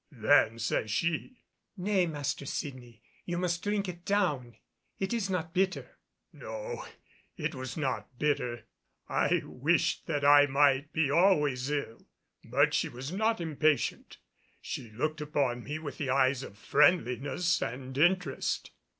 Then says she, "Nay, Master Sydney, you must drink it down. It is not bitter." No, it was not bitter. I wished that I might be always ill. But she was not impatient. She looked upon me with the eyes of friendliness and interest.